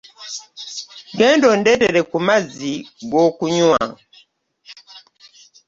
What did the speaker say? Genda ondetere ku mazzi gw'okunwa.